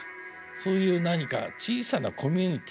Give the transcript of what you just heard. そういう何か小さなコミュニティ。